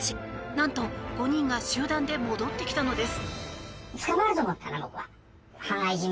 何と５人が集団で戻ってきたのです。